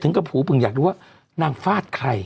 ถึงกระผูปึงอยากรู้ว่านางฟาดใคร